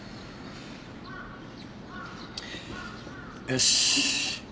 よし。